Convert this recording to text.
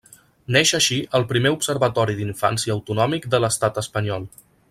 Neix així el primer Observatori d'infància autonòmic de l'estat espanyol.